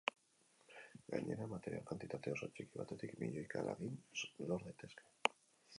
Gainera, material kantitate oso txiki batetik milioika lagin lor daitezke.